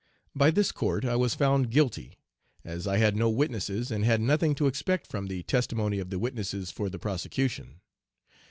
By this court I was found I 'guilty,' as I had no witnesses, and had nothing to expect from the testimony of the witnesses for the prosecution.